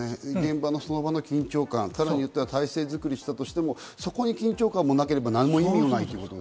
その場の緊張感、体制作りをしたとしても、そこに緊張感もなければ何の意味もない。